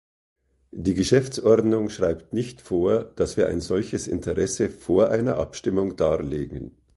Die Geschäftsordnung schreibt nicht vor, dass wir ein solches Interesse vor einer Abstimmung darlegen.